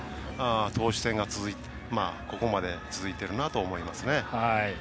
投手戦がここまで続いているなと思います。